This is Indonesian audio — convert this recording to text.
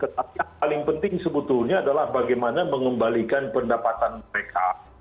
tetapi yang paling penting sebetulnya adalah bagaimana mengembalikan pendapatan mereka